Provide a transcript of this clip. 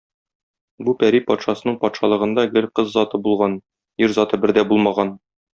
Бу пәри патшасының патшалыгында гел кыз заты булган, ир заты бер дә булмаган.